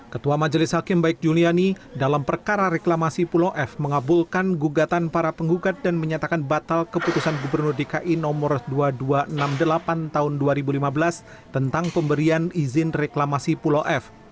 ketua majelis hakim baik juliani dalam perkara reklamasi pulau f mengabulkan gugatan para penggugat dan menyatakan batal keputusan gubernur dki nomor dua ribu dua ratus enam puluh delapan tahun dua ribu lima belas tentang pemberian izin reklamasi pulau f